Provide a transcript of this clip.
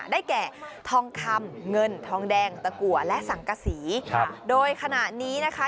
ได้แก่ทองคำเงินทองแดงตะกัวและสังกษีค่ะโดยขณะนี้นะคะ